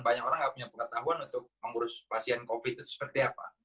banyak orang nggak punya pengetahuan untuk mengurus pasien covid itu seperti apa